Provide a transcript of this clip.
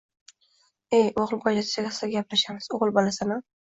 Ey, oʻgʻilbolachasiga gaplashamiz. Oʻgʻil bolasan-a?